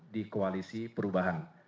di koalisi perubahan